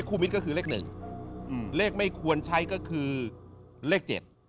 เลขคู่มิตรก็คือเลข๑เลขไม่ควรใช้ก็คือเลข๗